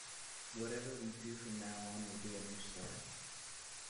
Whatever we do from now on will be a new start.